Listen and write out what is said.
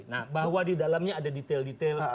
nah bahwa di dalamnya ada detail detail